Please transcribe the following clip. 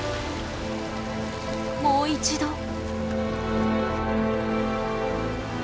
もう一度。